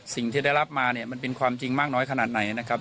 สิ่งที่ได้รับมาเนี่ยมันเป็นความจริงมากน้อยขนาดไหนนะครับ